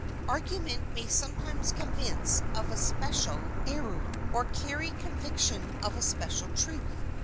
Argument may sometimes convince of a special INTRODUCTION error or carry conviction of a special truth.